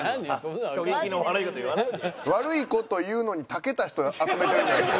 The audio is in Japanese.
悪い事言うのに長けた人ら集めてるんじゃないですか？